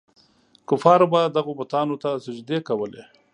کفارو به دغو بتانو ته سجدې کولې.